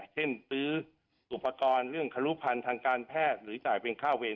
ซื้ออุปกรณ์เรื่องครุพันธ์ทางการแพทย์หรือจ่ายเป็นค่าเวร